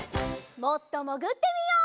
もっともぐってみよう。